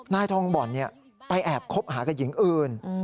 นายทองบ่อนไปแอบคบหากับหญิงอื่น